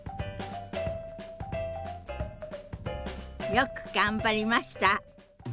よく頑張りました！